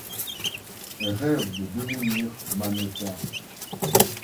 Elle rêve de devenir mannequin.